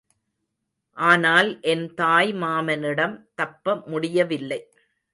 ஆனால் என் தாய் மாமனிடம் தப்ப முடியவில்லை.